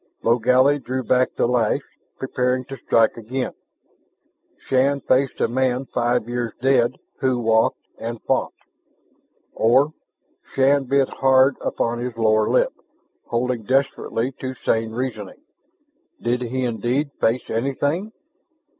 Logally drew back the lash, preparing to strike again. Shann faced a man five years dead who walked and fought. Or, Shann bit hard upon his lower lip, holding desperately to sane reasoning did he indeed face anything?